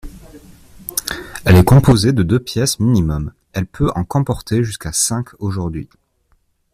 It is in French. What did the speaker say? Elle est composée de deux pièces minimum, elle peut en comporter jusqu'à cinq aujourd'hui.